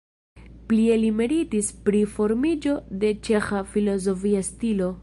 Plie li meritis pri formiĝo de ĉeĥa filozofia stilo.